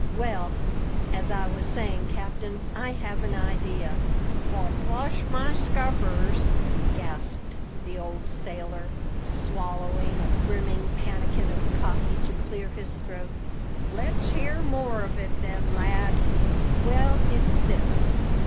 "Well, as I was saying, captain, I have an idea " "Flush my scuppers!" gasped the old sailor, swallowing a brimming pannikin of coffee to clear his throat. "Let's hear more on it then, lad." "Well, it's this.